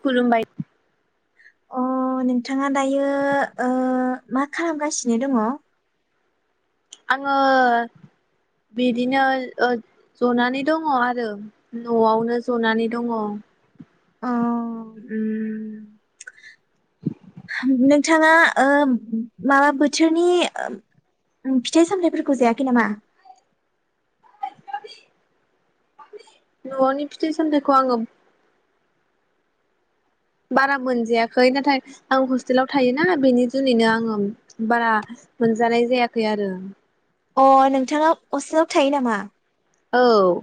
खुलुमबाय अह नोंथाङा दायो ओ मा खालामगासिनो दङ? आङो बिदिनो ओ ज'नानै दङ आरो न'आवनो जनानै दङ। अ उम नोंथाङा ओ माबा बोथोरनि फिथाइ सामथाइफोरखौ जायाखै नामा? [unintelligible] न'नि फिथाइ सामथाइखौ आङो बारा मोनजायाखै, नाथाय आं हस्टेलाव थायोना बेनि जुनैनो आङो बारा मोनजानाय जायाखै आरो। अह नोंथाङा हस्टेलाव थायो नामा? औ।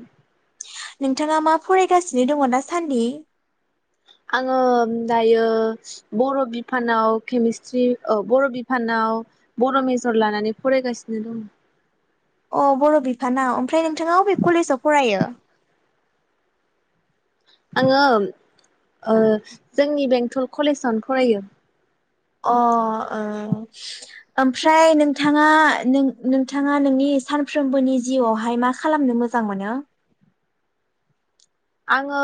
नोंथाङा मा फरायगासिनो दङ दा सान्दि? आङो दायो बर' बिफानाव केमिस्ट्रि बर' बिफानाव बर' मेजर लानानै फरायगासिनो। अ बर' बिफानाव। ओमफ्राय नोंथाङा अबे कलेजाव फरायो? आङो ओ जोंनि बेंटल कलेजावनो फरायो। अह ओ। आमफ्राय नोंथाङा नों-नोंथाङा नोंनि सानफ्रोमबोनि जिउवावहाय मा खालामनो मोजां मोनो? आङो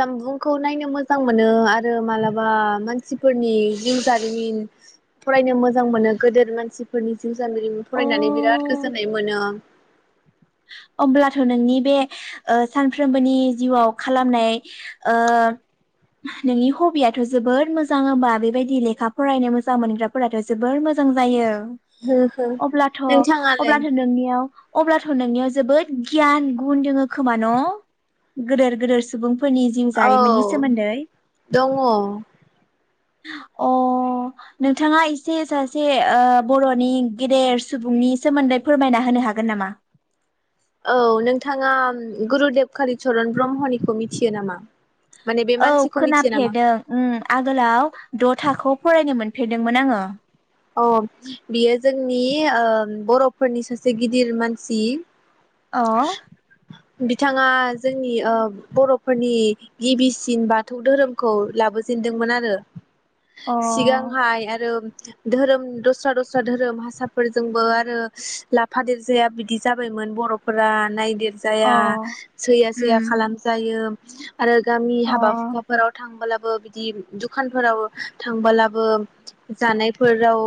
जामबुंखौ नायनो मोजां मोनो आरो मालाबा मानसिफोरनि जिउ जारिमिन फरायनो मोजां मोनो, गोदोर मानसिफोरनि जिउ जारिमिन फरायनानै बिराद अ गोजोननाय मोनो। अब्लाथ' नोंनि बे सानफ्रोमबोनि जिउआव खालामनाय नोंनि हबियाथ' जोबोर मोजां होमबा बेबायदि लेखा फरायनो मोजां मोनग्राफोराथ' जोबोर मोजां जायो। अब्लाथ' नोंथाङालाय अब्लाथ' नोंनियाव अब्लाथ' नोंनियाव जोबोद गियान गुन दोङो खोमा न'? गोदेर गोदोर सुबुं औ दङ। अह नोंथाङा एसे सासे ओ बर'नि गेदेर सुबुंनि सोमोन्दै फोरमायना होनो हागोन नामा? औ नोंथाङा गुरुदेब कालिचरन ब्रह्मनिखौ मिथियो नामा? माने बे औ मानसिखौ मिथियो नामा? खोनाफेरदों। ओम। आगोलाव द'थाखौ फरायनो मोन फेरदोंमोन आङो। अह बियो जोंनि ओ बर'फोरनि सासे गिदिर मानसि। अह। बिथाङा जोंनि ओ बर'फोरनि गिबिसिन बाथौ धोरोमखौ लाबोजेनदोंमोन आरो। अ सिगांहाय आरो धोरोम दस्रा दस्रा धोरोम हासाफोरजोंबो आरो लाफा देरजाया बिदि जाबायमोन बर'फ फोरा नायदिद अ जाया सैया सैया उम खालामजायो। आरो गामि अ हाबा हुखाफोराव थांबोला बो बिदि दखानफोराव थांबोलाबो जानायफोराव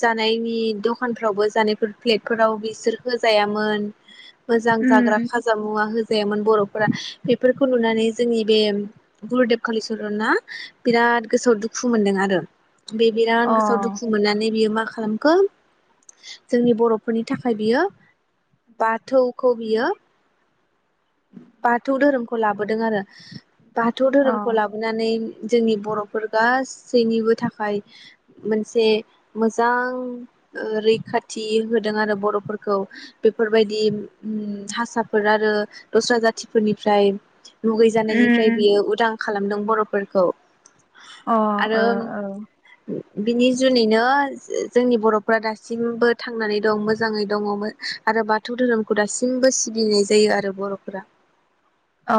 जानायनि दखानफ्रावबो जानायफोर फ्लेटफोराव बिसोर होजायामोन। मोजां जाग्रा उम खाजा मुवा होज गैयामोन बर'फोरा बेफोरखौ नुनानै जोंनि बे गुरुदेब कालिचरना बिराद गोसोआव दुखु मोनदों आरो। बे अ बिराद गोसोआव दुखु मोननानै बियो मा खालामगोन जोंनि बर'फोरनि थाखाय बियो बाथौ खौ बियो बाथौ धोरोमखौ लाबोदों आरो। बाथौ अ धोरोमखौ लाबोनानै जोंनि बर'फोर गासैनिबो थाखाय मोनसे मोजां ओ रैखाथि होदों आरो बर'फोरखौ बेफोरबायदि ओम हासाफोर आरो दस्रा जाथिफोरनिफ्राय मुगैजानायनिफ्राय उम बियो उदां खालामदों बर'फोरखौ। अ आरो ओ ओ बिनि जुनैनो जोंनि बर'फ्रा दासिमबो थांनानै दं मोजाङै दङमो आरो बाथौ धोरोमखौ दासिमबो सिबिनाय जायो आरो बर' फोरा। अ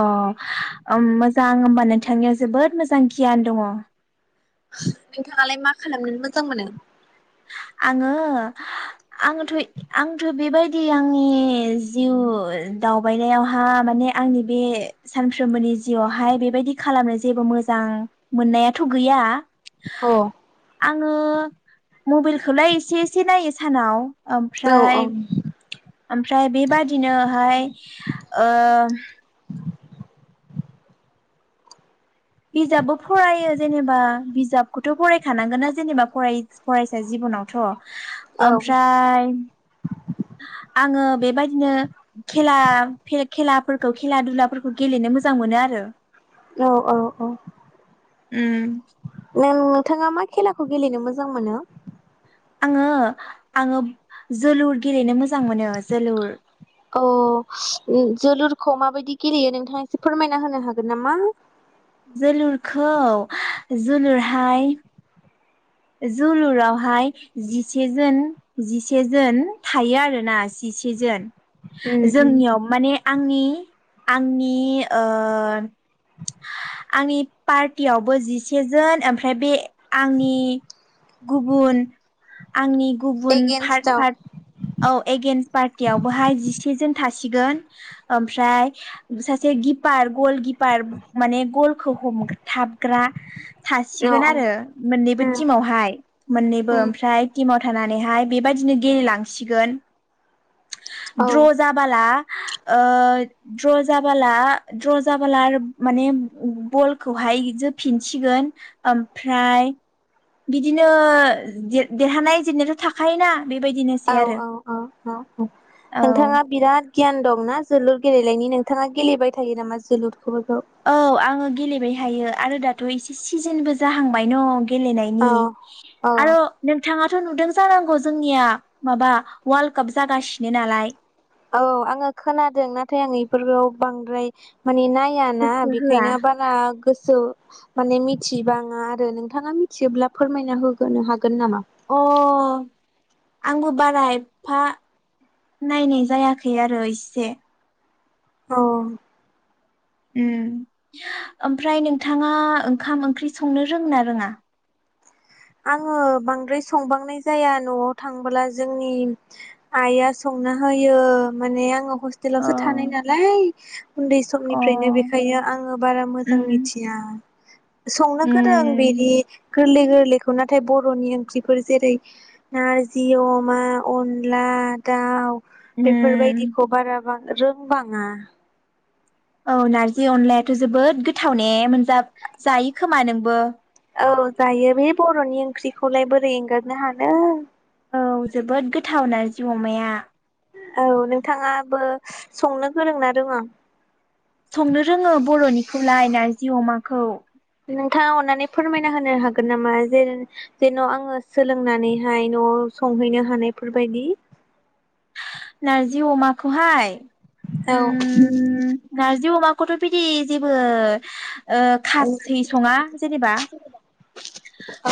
ओम मोजां होमबा नोंथांनियाव जोबोद मोजां गियान दङ। नोंथाङालाय मा खालामनो मोजां मोनो? आङो आङोथ' आंथ' बेबाय दि आंनि जिउ दावबायनायावहा माने आंनि बे सानफ्रोमबोनि जिउआवहाय बेबायदि खालामनो जेबो मोजां मोननायाथ' गैया। अ आङो खौलाय एसे एसे नायो सानाव। औ औ आमफ्राय आमफ्राय बेबादिनोहाय ओ बिजाबबो फरायो जेनेबा बिजाबखौथ' फरायखानांगोनना जेनेबा फरय फरायसा जिबनावथ'। आमफ्राय आङो बेबायदिनो खेला खेलाफोरखौ खेला दुलाफोरखौ गेलेनो मोजां मोनो आरो। औ औ औ। उम नों नोंथाङा मा खेलाखौ गेलेनो मोजां मोनो? आङो आङो जोलुर गेलेनो मोजां मोनो जोलुर अ जोलुर। खौ माबायदि गेलेयो नोंथाङा एसे फोरमायना होनो हागोन नामा। जोलुरखौ जोलुरहाय। जोलुरावहाय जिसे जोन जिसेजोन थायो आरोना जिसेजोन। उम उम जोंनियाव माने आंनि। आंनि ओ। आंनि। पार्टियावबो जिसे जोन ओमफ्राय बे आंनि। गुबुन आंनि। गुब एगेन्स्टआव [unintelligible] औ एगेन्स पार्टियावबोहाय जिसे जन था सिगोन ओमफ्राय। जे किपार गल किपार माने गलखौ हमथाबग्रा औ थासिगोन आरो मोननैबो। उम टिमावहाय मोननैबो उम ओमफ्राय। नानैहाय बेबायदिनो गेलेलांसिगोन। औ द्र' जाबाला ओ द्र' जाबाला। द्र' जाबोला माने बलखौहाय जो फिनसिगोन ओमफ्राय। बिदिनो देरहानाय जेननायाथ' थाखायोना। बेबायदिनोसै औ आरो औ औ औ औ औ नोंथाङा बिराद। गियान दंना जोलुर गेलेनायनि नोंथाङा गेलेबाय थायो नामा जोलुर। औ आङो गेलेबाय। थायो आरो दाथ' एसे सिजोनबो जाहांबाय न'। औ गेलेनायनि औ आरो नोंथाङाथ' नुदों जानांगौ जोंनिया। माबा वार्ल्ड काप जागासिनो नालाय। औ आङो खोनादों नाथाय आं बेफोरखौ बांद्राय माने नाय जायाना गोसो होआ बेखायनो बारा। गोसो माने मिथिबाङा आरो नोंथाङा मिथियोब्ला फोरमायना होगोनो हागोन। नामा? अ आंबो बारा एफा नायनाय जायाखै आरो इसे। औ। ओम ओमफ्राय नोंथाङा ओंखाम ओंख्रि संनो रोङो ना रोङा। आङो बांद्राय संबांनाय जाया न'आव थांबोला जोंनि आइआ संना होयो माने आङो। अ हस्टेलावसो थानाय नालाय। [inaudible] उन्दै अ समनिफ्रायनो बेखायनो आङो बारा मोजां उम मिथिया संनो गोरों उम बिदि। गोरलै गोरलै खौ नाथाय बर'नि ओंख्रिफोर जेरै नाजि अमा, अनला दाउ उम बेफोरबायदिखौ बारा रोंबाङा औ नारजि अनलायाथ' जोबोद गोथाव ने मोनजा जायो खोमा नोंबो? औ जायो बे बर'नि ओंख्रिखौलाय बोरै एंगारनो हानो। औ जोबोद गोथाव नारजि अमाया। औ नोंथाङाबो संनो गोरों ना रोङा? संनो रोङो बर'निखौलाय नारजि अमाखौ। था अननानै फोरमायना होनो हागोन नामा? जे-जेन' आङो सोलोंनानैहाय न'आव संहैनो हानायफोर बायदि। नारजि अमाखौहाय औ उम नारजि अमाखौथ' बिदि जेबो ओ खास्रि सङा जेनेबा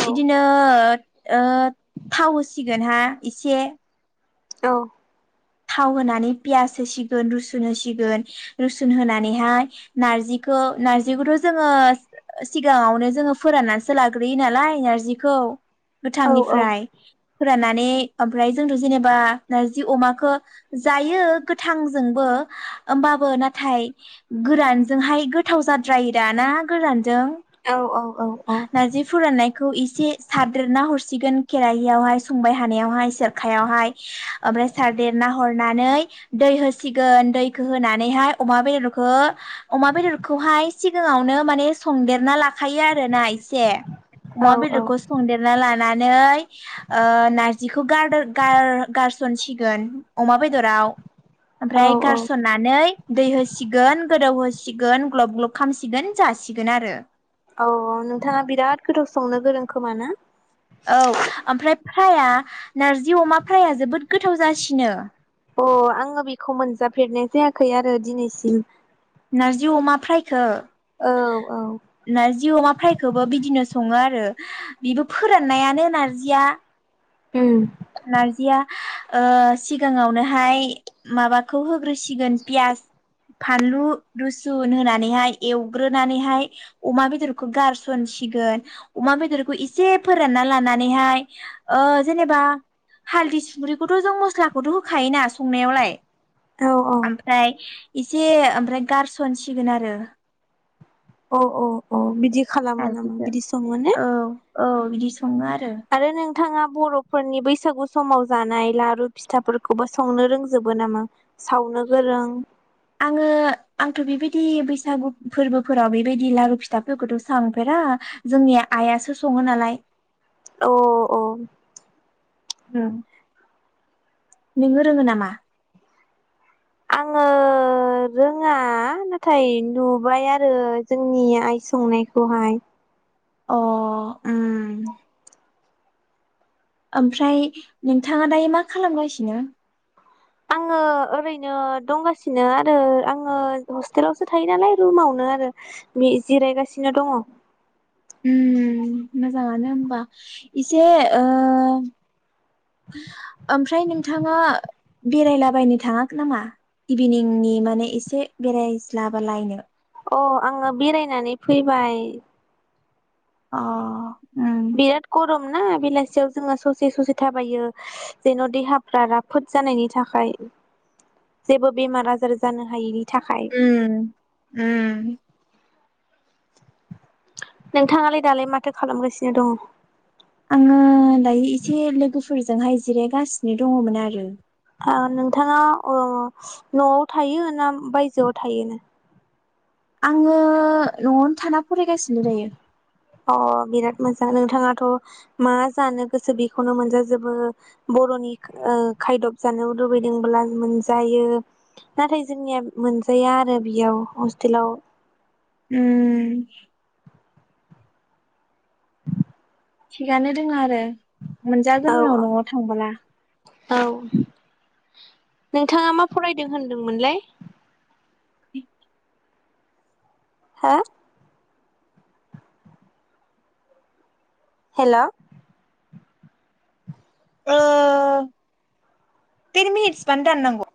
औ बिदिनो ओ ओ थाव होसिगोन हा एसे औ थाव होनानै पियास होसिगोन रुसुन होसिगोन रुसुन होनानैहाय नार्जिखौ नार्जिखौथ' जोङो सिगाङावनो जोङो फोराननानैसो लाग्रोयो नालाय नार्जिखौ औ गोथांनिफ्राय फोराननानै ओमफ्राय जोंथ' जेनेबा नारजि अमाखो जायो गोथांजोंबो होमबाबो नाथाय गोरानजोंहाय गोथाव जाद द्रायो दा ना गोरानजों औ औ औ नारजि फोराननायखौ इसे सादेरना हरसिगोन खेरायियावहाय संबाय हा नेयाव हाय सेरखायाव हायो आमफ्राय सारदे नाहरनै दै होसिगोन दैखो होनानै हाय अमा बेदरखो अमा बेदरखौहाय सिगाङावनो मने संदेरना ला खायो आरोना एसे अमा बेदरखौ संदेरना लानानै ओ नारजिखौ गारनो गार-गारसनसिगोन अमा बेदराव औ ओमफ्राय गारसननानै दै हो होसिगोन गोदौ होसिगोन ग्लब ग्लब खालामसिगोन जासिगोन आरो। औ औ नोंथाङा बिराद गोथाव संनो गोरों खोमा ना? औ ओमफ्राय फ्राया नारजि अमा फ्राया जोबोद गोथाव जासिनो। अ आङो बेखौ मोनजाफेरनाय जायाखै आरो दिनैसिम। नारजि अमा फ्रायखो औ औ नारजि अमा फ्रायखौबो बिदिनो सङो आर रो बेबो फोराननायानो नारजिया। उम नारजिया ओ सिगाङावनोहाय माबाखौ होग्रोसिगोन पियास फानलु रुसुन होनानैहाय एवग्रोनानैहाय अमा बेदरखौ गारसनसिगोन अमा बेदरखौ एसे फोरानना लानानैहाय ओ जेनेबा हालदै सुंख्रिखौथ' जों मस्लाखौथ' होखायोना सुंनायावलाय औ औ ओमफ्राय एसे ओमफ्राय गारसनसिगोन आरो अ' बिदि खालामो नामा नारजिखौ बिदि सङो ने? औ औ बिदि सङो आ आरो नों नोंथाङा बर'फोरनि बैसागु समाव जानाय लारु, फिथाफोरखौबो संनो रोंजोबो नामा? सावनो गोरों आङो आंथ' बेबायदि बैसागु फोरबोफोराव बेबायदि लारु फिथाफोरखौथ' संफेरा जोंनि आइयासो सङो नालाय। ओं ओम नोङो रोङो नामा? ओ रोङा नाथाय नुबाय आरो जोंनि आइ संनायखौहाय। अ ओम ओमफ्राय नोंथाङा दायो मा खालामगासिनो? आङो ओरैनो दंगासिनो आरो आङो हस्टेलावसो थायो नालाय रुमावनो आरो बे जिरायगासिनो दङ। उम उम मोजाङानो होमबा। इसे ओ ओमफ्राय नोंथाङा बेरायलाबायनो थाङाखै नामा? इभिनिंनि माने एसे बेरायज्लाबालायनो अ आङो बेरायनानै फैबाय। अ ओम बिराद गरम ना बेलासियाव जोङो ससे ससे थाबायो, जेन' देहाफ्रा राफोद जानायनि थाखाय जेबो बेमार आजार जानो हायिनि थाखाय। उम उम नोंथाङालाय दालाय माथो खालामगासिनो दङ? आङो दायो एसे लोगोफोरजोंहाय जिरायगासिनो दङमोन आरो। ओ नोंथाङा ओ न'आव थायो ना बायजोआव थायोनो? आङो न'आवनो थाना फरायगासिनो दायो। अ बिराद मोजां नोंथाङाथ' मा जानो गोसो बेखौनो मोनजाजोबो। बर'नि ओ खायदब जानो लुबैदोंब्ला मोनजायो नाथाय जोंनिया मोनजाया आरो बेयाव हस्टेलाव। उम थिगानो दोङ आरो औ मोनजागोन उनाव औ न'आव थांब्ला औ नोंथाङा मा फरायदों होनदोंमोनलाय? हा? हेल' ओ [unintelligible] मानो दाननांगौ।